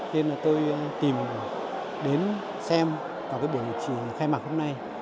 thế nên là tôi tìm đến xem vào cái biểu mục trường khai mạc hôm nay